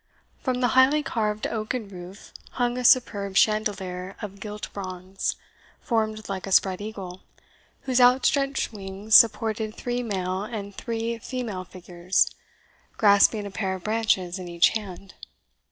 From the highly carved oaken roof hung a superb chandelier of gilt bronze, formed like a spread eagle, whose outstretched wings supported three male and three female figures, grasping a pair of branches in each hand.